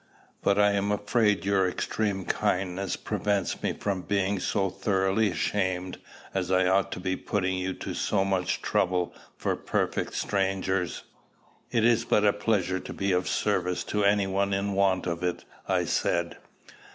But I am afraid your extreme kindness prevents me from being so thoroughly ashamed as I ought to be at putting you to so much trouble for perfect strangers." "It is but a pleasure to be of service to any one in want of it," I said.